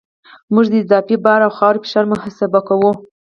موږ د اضافي بار او خاورې فشار محاسبه کوو